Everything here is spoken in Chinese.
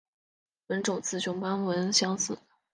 本种雌雄斑纹相似。